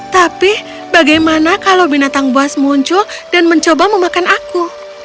tapi bagaimana kalau binatang buas muncul dan mencoba memakan aku